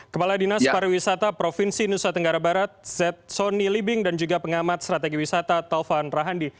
kepala dinas pariwisata provinsi nusa tenggara barat z sonny libing dan juga pengamat strategi wisata taufan rahandi